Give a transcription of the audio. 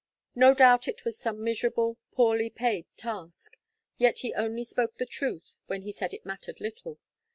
No doubt it was some miserable, poorly paid task. Yet he only spoke the truth, when he said it mattered little.